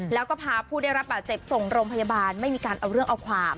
แล้วก็พาผู้ได้รับบาดเจ็บส่งโรงพยาบาลไม่มีการเอาเรื่องเอาความ